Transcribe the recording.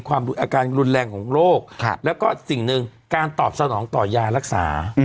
อาการรุนแรงของโรคแล้วก็สิ่งหนึ่งการตอบสนองต่อยารักษา